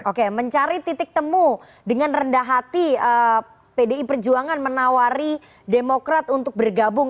oke mencari titik temu dengan rendah hati pdi perjuangan menawari demokrat untuk bergabung